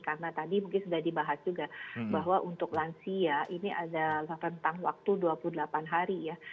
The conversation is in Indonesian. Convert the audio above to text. karena tadi mungkin sudah dibahas juga bahwa untuk lansia ini ada rentang waktu dua puluh delapan hari ya